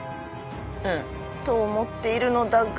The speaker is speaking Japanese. うんと思っているのだが。